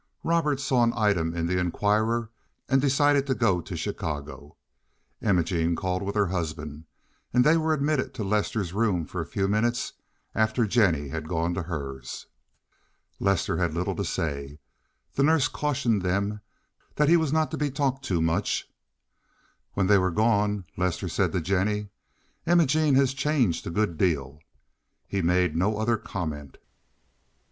Robert saw an item in the Inquirer and decided to go to Chicago. Imogene called with her husband, and they were admitted to Lester's room for a few minutes after Jennie had gone to hers. Lester had little to say. The nurse cautioned them that he was not to be talked to much. When they were gone Lester said to Jennie, "Imogene has changed a good deal." He made no other comment.